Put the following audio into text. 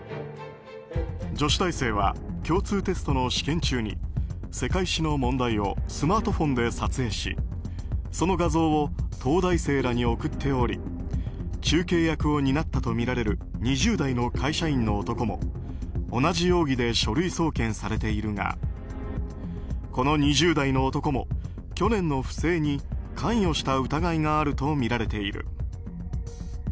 女子大生は共通テストの試験中に世界史の問題をスマートフォンで撮影しその画像を東大生らに送っており中継役を担ったとみられる２０代の会社員の男も同じ容疑で書類送検されているがこの２０代の男も、去年の不正に関与した疑いがあるとみられている。